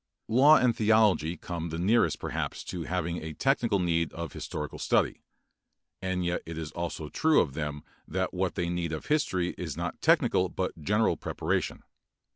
Law and theology come the nearest perhaps to having a technical need of historical study, and yet it is also true of them that what they need of history is not technical but general preparation.